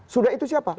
sudah itu siapa